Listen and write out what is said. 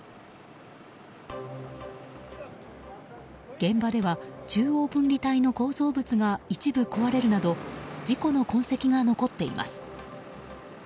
現場では中央分離帯の構造物が一部壊れるなど事故の痕跡が残っています。